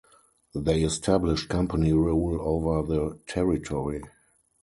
They established company rule over the territory.